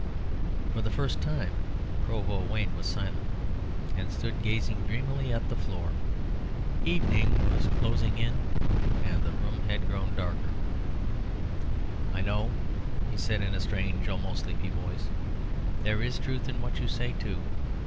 For the first time Provost Wayne was silent, and stood gazing dreamily at the floor. Evening was closing in, and the room had grown darker. "I know," he said, in a strange, almost sleepy voice, "there is truth in what you say, too.